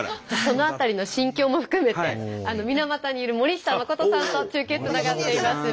その辺りの心境も含めて水俣にいる森下誠さんと中継つながっています。